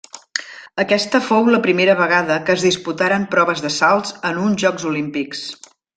Aquesta fou la primera vegada que es disputaren proves de salts en uns Jocs Olímpics.